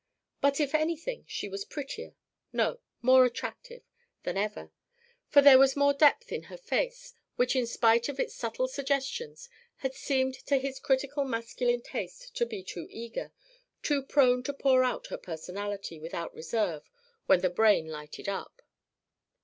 But if anything she was prettier no, more attractive than ever, for there was more depth in her face, which in spite of its subtle suggestions, had seemed to his critical masculine taste to be too eager, too prone to pour out her personality without reserve when the brain lighted up.